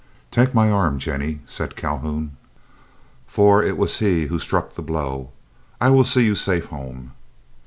"Take my arm, Jennie," said Calhoun, for it was he who struck the blow, "I will see you safe home."